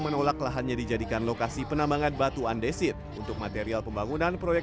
menolak lahannya dijadikan lokasi penambangan batu andesit untuk material pembangunan proyek